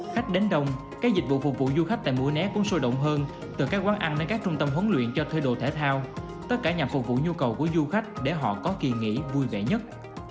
khách đến đông các dịch vụ phục vụ du khách tại mũi né cũng sôi động hơn từ các quán ăn đến các trung tâm huấn luyện cho thuê đồ thể thao tất cả nhằm phục vụ nhu cầu của du khách để họ có kỳ nghỉ vui vẻ nhất